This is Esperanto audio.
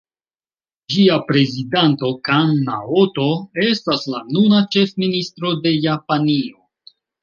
Ĝia prezidanto Kan Naoto estas la nuna ĉefministro de Japanio.